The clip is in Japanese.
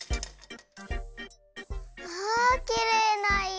わきれいないろ！